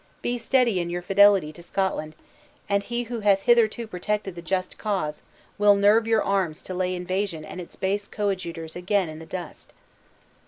Be steady in your fidelity to Scotland, and He who hath hitherto protected the just cause, will nerve your arms to lay invasion and its base coadjutors again in the dust."